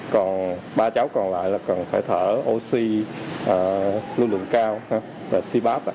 còn ba cháu còn lại là phải thở oxy lưu lượng cao si báp